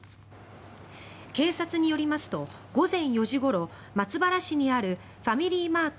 警察によりますと午前４時ごろ松原市にあるファミリーマート